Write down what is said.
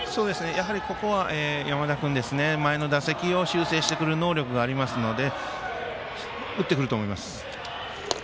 ここは山田君前の打席を修正してくる能力がありますので打ってくると思います。